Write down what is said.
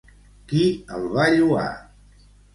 Qui el va lloar?